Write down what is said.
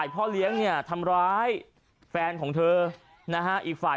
โปรดติดตามตอนต่อไป